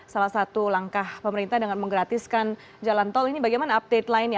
salah satu langkah pemerintah dengan menggratiskan jalan tol ini bagaimana update lainnya